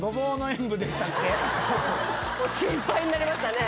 心配になりましたね。